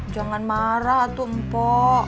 jangan marah tuh empo